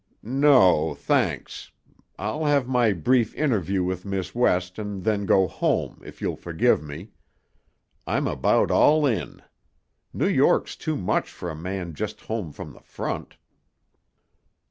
"No, thanks. I'll have my brief interview with Miss West and then go home, if you'll forgive me. I'm about all in. New York's too much for a man just home from the front."